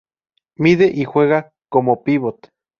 Mide y juega como pívot.